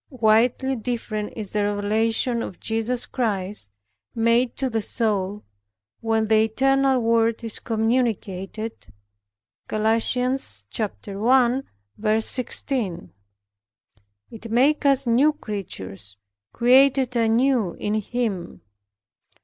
Widely different is the revelation of Jesus Christ, made to the soul when the eternal Word is communicated. (Gal. 1:16.) It makes us new creatures, created anew in Him.